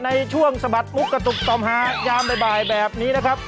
สะบัดมุกกระตุกต่อมหายามบ่ายแบบนี้นะครับ